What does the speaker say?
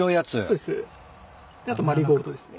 そうです。